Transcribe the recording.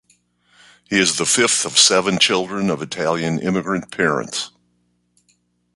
He is the fifth of seven children of Italian immigrant parents.